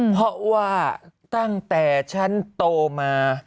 เพราะว่าตั้งแต่ฉันโตมา